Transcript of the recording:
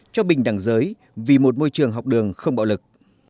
cho bình đẳng giới vì một môi trường học đường không bạo lực